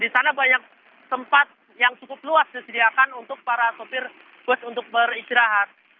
di sana banyak tempat yang cukup luas disediakan untuk para sopir bus untuk beristirahat